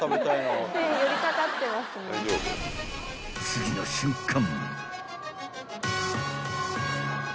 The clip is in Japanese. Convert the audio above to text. ［次の瞬間］